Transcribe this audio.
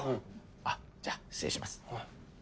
あっじゃあ失礼します。